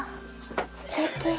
すてき。